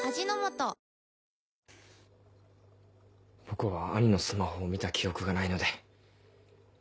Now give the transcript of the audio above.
僕は兄のスマホを見た記憶がないので。